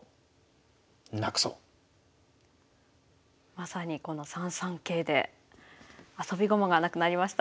まさにこの３三桂であそび駒がなくなりました。